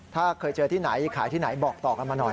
ถ้าเคยเจอที่ไหนขายที่ไหนบอกต่อกันมาหน่อย